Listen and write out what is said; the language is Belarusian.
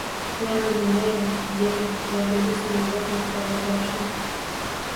Я разумею, дзе я, і аддаю сабе ў гэтым справаздачу.